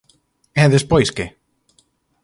E despois que?